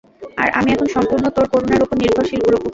আর, আমি এখন সম্পূর্ণ তোর করুণার ওপর নির্ভরশীল, বুড়ো খোকা!